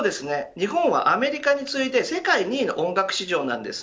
日本はアメリカに次いで世界２位の音楽市場なんです。